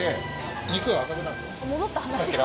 戻った話が。